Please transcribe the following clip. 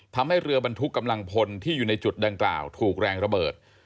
ทำให้เรือบรรทุกกำลังพลที่อยู่ในจุดดังกล่าวถูกแรงระเบิด